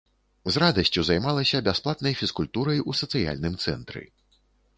З радасцю займалася бясплатнай фізкультурай у сацыяльным цэнтры.